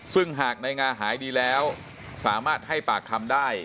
ซึ่งหากนายงาหายดีแล้วสามารถให้ปากคำได้